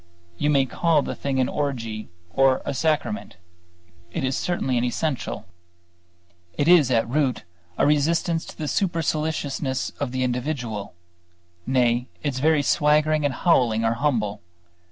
You may call the thing an orgy or a sacrament; it is certainly an essential. It is at root a resistance to the superciliousness of the individual. Nay, its very swaggering and howling are humble.